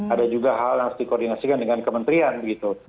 ada juga hal yang harus dikoordinasikan dengan kementerian begitu